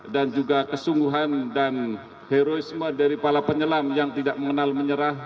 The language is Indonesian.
dan juga kesungguhan dan heroisme dari para penyelam yang tidak mengenal menyerah